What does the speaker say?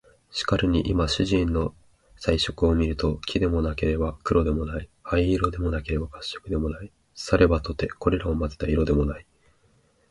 しかるに今主人の彩色を見ると、黄でもなければ黒でもない、灰色でもなければ褐色でもない、さればとてこれらを交ぜた色でもない